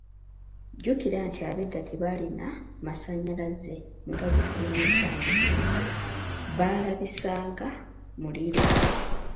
Jjukira nti ab’edda tebaalina masannyalaze nga ge tulina ensangi zino, baalabisanga muliro.